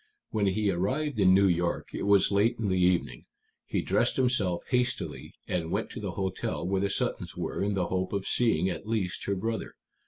When he arrived in New York it was late in the evening. He dressed himself hastily, and went to the hotel where the Suttons were, in the hope of seeing at least her brother.